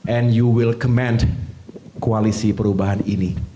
and you will command koalisi perubahan ini